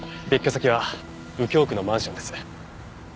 別居先は右京区のマンションです。